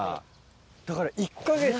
だから１か月で。